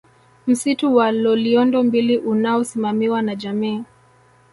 Msitu wa Loliondo mbili unaosimamiwa na jamii